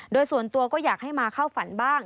โดยส่วนตัวก็อยากให้มาเข้าฝันบ้าง